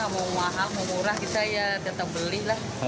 mau mahal mau murah kita ya tetap beli lah